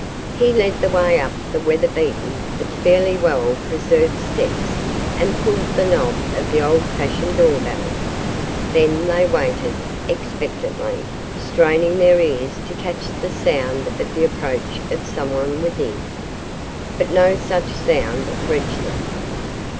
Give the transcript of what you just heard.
He led the way up the weather beaten but fairly well preserved steps and pulled the knob of the old fashioned doorbell. Then they waited expectantly, straining their ears to catch the sound of the approach of someone within. But no such sound reached them.